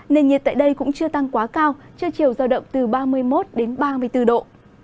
nền nhiệt tại đây cũng chưa tăng quá cao chưa chiều giao động từ ba mươi một đến ba mươi bốn độ